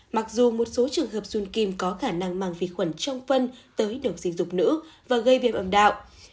mặc dù một số trường hợp dung kim có khả năng mang vi khuẩn trong phân tới được sinh dục nữ và gây viêm âm đạo